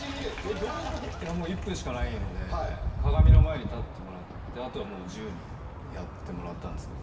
１分しかないので鏡の前に立ってもらってあとは自由にやってもらったんですけど。